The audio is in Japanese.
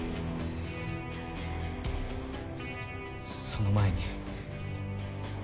その前に。